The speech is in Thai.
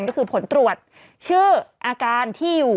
ก็คือผลตรวจชื่ออาการที่อยู่